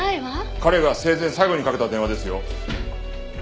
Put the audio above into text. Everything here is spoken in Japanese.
彼が生前最後にかけた電話ですよ。